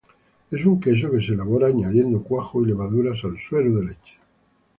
Es un queso que se elabora añadiendo cuajo y levaduras al suero de leche.